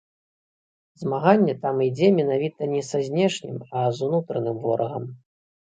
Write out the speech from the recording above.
Змаганне там ідзе менавіта не са знешнім, а з унутраным ворагам.